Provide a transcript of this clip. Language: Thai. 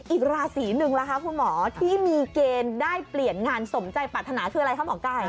อีกราศีหนึ่งหละที่มีเกณฑ์ได้เปลี่ยนงานสมใจปรัฐนาคืออะไรคะ